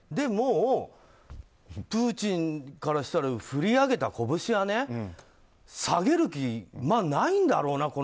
もうプーチンからしたら振り上げたこぶしは下げる気がないんだろうな